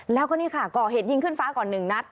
แล้วก็นี่ค่ะก่อเหตุยิงขึ้นฟ้าก่อน๑นัด